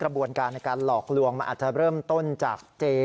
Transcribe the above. บวนการในการหลอกลวงมันอาจจะเริ่มต้นจากเจ